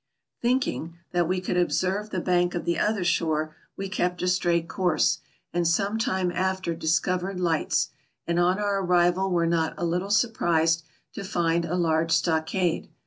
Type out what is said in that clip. Thinking that we could observe 140 TRAVELERS AND EXPLORERS the bank of the other shore, we kept a straight course, and some time after discovered lights, and on our arrival were not a little surprised to find a large stockade.